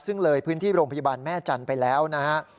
ซึ่งเลยพื้นที่โรงพยาบาลแม่จันทร์ไปแล้วนะฮะ